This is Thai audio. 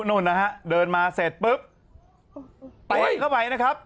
นู่นนะฮะเดินมาเสร็จปุ๊บเตะเข้าไปนะครับ